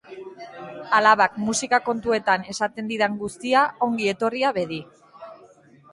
Alabak musika kontuetan esaten didan guztia ongi etorria bedi!